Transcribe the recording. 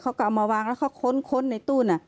เขาก็เอามาวางแล้วเขาค้นในตู้น่ะ